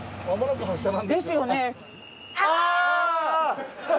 ですよね。